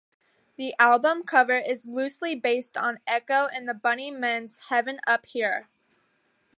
The album cover is loosely based on Echo and the Bunnymen's "Heaven Up Here".